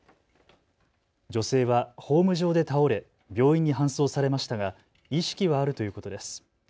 女性はホーム上で倒れ病院に搬送されましたが意識はあるということです。